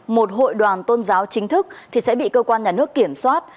một hội đoàn tôn giáo chính thức thì sẽ bị cơ quan nhà nước kiểm soát